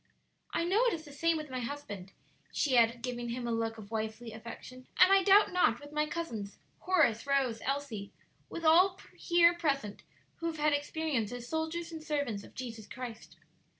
"I know it is the same with my husband," she added, giving him a look of wifely affection; "and I doubt not with my cousins Horace, Rose, Elsie with all here present who have had experience as soldiers and servants of Jesus Christ."